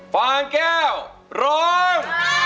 ฟางแก้วร้อง